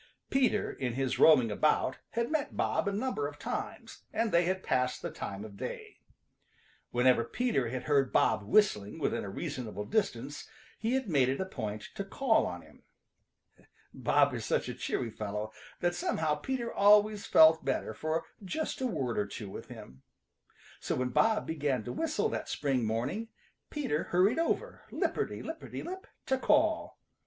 Peter, in his roaming about, had met Bob a number of times, and they had passed the time of day. Whenever Peter had heard Bob whistling within a reasonable distance he had made it a point to call on him. Bob is such a cheery fellow that somehow Peter always felt better for just a word or two with him. So when Bob began to whistle that spring morning Peter hurried over, lipperty lipperty lip, to call.